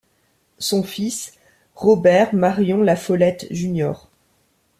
Son fils, Robert Marion La Follette Jr.